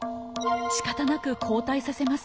しかたなく後退させます。